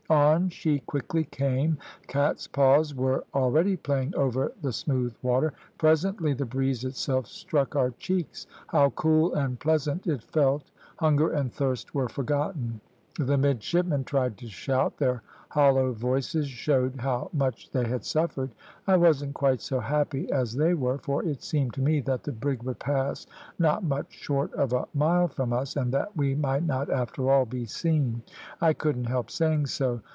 On she quickly came; cat's paws were already playing over the smooth water; presently the breeze itself struck our cheeks. How cool and pleasant it felt; hunger and thirst were forgotten. The midshipmen tried to shout their hollow voices showed how much they had suffered. I wasn't quite so happy as they were, for it seemed to me that the brig would pass not much short of a mile from us, and that we might not after all be seen. I couldn't help saying so.